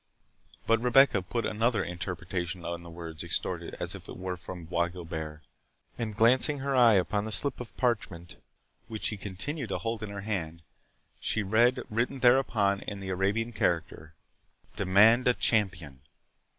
But Rebecca put another interpretation on the words extorted as it were from Bois Guilbert, and glancing her eye upon the slip of parchment which she continued to hold in her hand, she read written thereupon in the Arabian character, "Demand a Champion!"